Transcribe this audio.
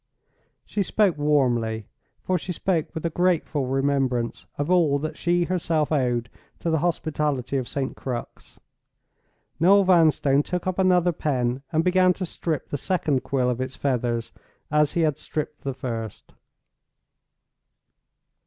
She spoke warmly; for she spoke with a grateful remembrance of all that she herself owed to the hospitality of St. Crux. Noel Vanstone took up another pen and began to strip the second quill of its feathers as he had stripped the first.